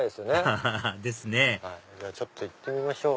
アハハですねちょっと行ってみましょう。